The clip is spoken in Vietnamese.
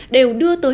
đều đưa tới